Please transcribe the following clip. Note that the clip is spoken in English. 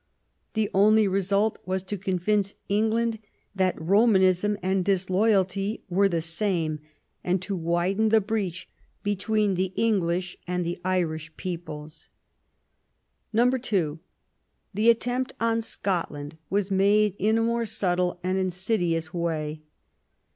The only result was to convince England that Romanism and disloyalty were the same, and to widen the breach between the English and the Irish peoples. (2) The attempt on Scotland was made in a more subtle and insidious way.